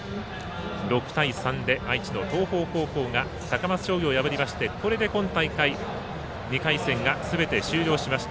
６対３で愛知の東邦高校が高松商業を破りましてこれで、今大会２回戦がすべて終了しました。